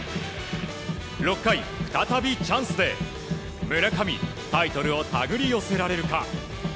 ６回、再びチャンスで村上タイトルを手繰り寄せられるか。